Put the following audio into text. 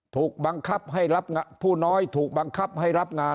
ถัวน้อยถูกบังคับให้รับงาน